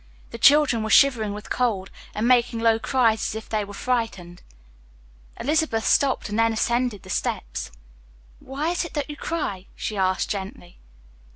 The children were shivering with cold and making low cries as if they were frightened. Elizabeth stopped and then ascended the steps. "Why is it that you cry?" she asked gently.